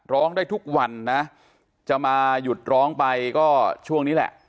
ร้องได้ทุกวันนะจะมาหยุดร้องไปก็ช่วงนี้แหละ